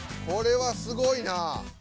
これはすごいなぁ！